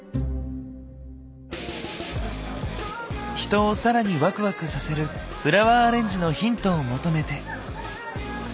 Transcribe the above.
人を更にワクワクさせるフラワーアレンジのヒントを求めて。